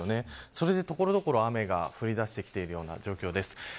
それで所々、雨が降り出してきているような状況です。